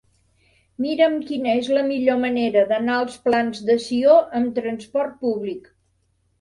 Mira'm quina és la millor manera d'anar als Plans de Sió amb trasport públic.